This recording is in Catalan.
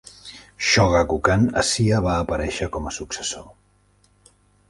Shogakukan Asia va aparèixer com a successor.